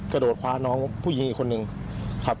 กระโดดคว้าน้องผู้หญิงอีกคนนึงครับ